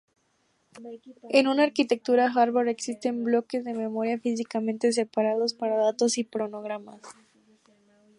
En una arquitectura Harvard existen bloques de memoria físicamente separados para datos y programas.